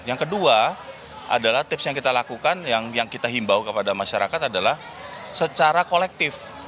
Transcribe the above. yang kedua adalah tips yang kita lakukan yang kita himbau kepada masyarakat adalah secara kolektif